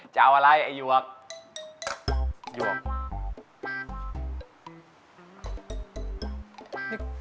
จะเอาอะไรอายุอามาก